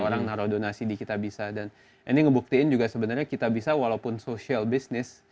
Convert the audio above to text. orang naro donasi di kitabisa dan ini ngebuktiin juga sebenarnya kitabisa walaupun social business